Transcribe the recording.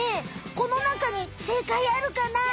このなかにせいかいあるかな？